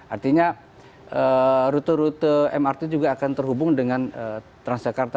artinya rute rute mrt juga akan terhubung dengan transjakarta